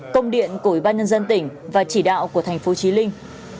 công điện của bà nhân dân tỉnh và chỉ đạo của thành phố trí linh